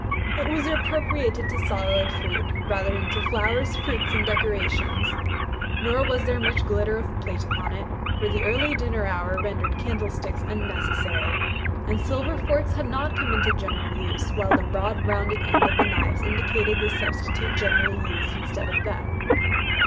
It was appropriated to solid food, rather than to flowers, fruits, and decorations. Nor was there much glitter of plate upon it; for the early dinner hour rendered candlesticks unnecessary, and silver forks had not come into general use: while the broad rounded end of the knives indicated the substitute generally used instead of them.